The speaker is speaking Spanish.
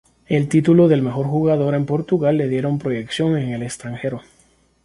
El título del mejor jugador en Portugal le dieron proyección en el extranjero.